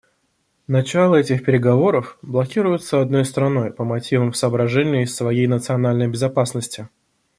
Начало этих переговоров блокируется одной страной по мотивам соображений своей национальной безопасности.